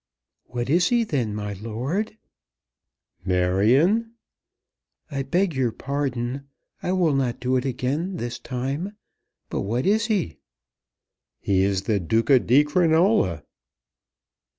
"What is he then, my lord?" "Marion!" "I beg your pardon. I will not do it again this time. But what is he?" "He is the Duca di Crinola."